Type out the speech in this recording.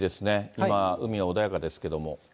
今、海は穏やかですけれども。